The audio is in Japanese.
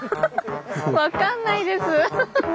分かんないです。